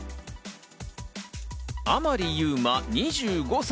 甘利優真、２５歳。